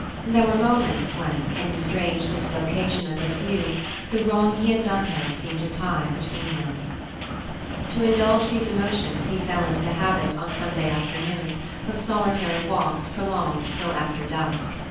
There were moments when, in the strange dislocation of his view, the wrong he had done her seemed a tie between them. To indulge these emotions he fell into the habit, on Sunday afternoons, of solitary walks prolonged till after dusk.